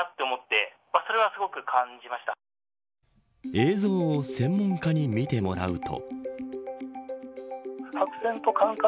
映像を専門家に見てもらうと。